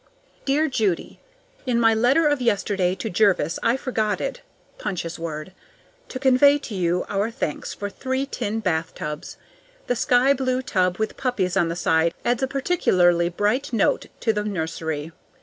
Dear Judy: In my letter of yesterday to Jervis I forgotted (Punch's word) to convey to you our thanks for three tin bathtubs. The skyblue tub with poppies on the side adds a particularly bright note to the nursery.